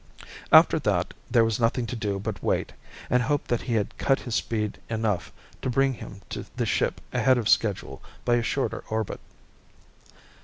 After that, there was nothing to do but wait and hope that he had cut his speed enough to bring him to the ship ahead of schedule by a shorter orbit.